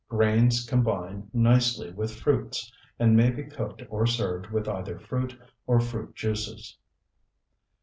Grains combine nicely with fruits, and may be cooked or served with either fruit or fruit juices.